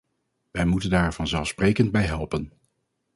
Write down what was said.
Wij moeten daar vanzelfsprekend bij helpen.